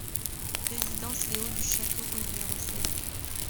Résidence les Hauts du Château au numéro seize